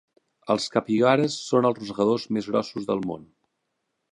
Els capibares són els rosegadors més grossos del món.